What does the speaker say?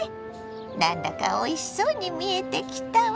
なんだかおいしそうに見えてきたわ。